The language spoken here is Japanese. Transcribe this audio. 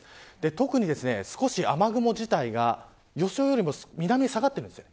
特に、少し雨雲自体が予想よりも南へ下がっているんです。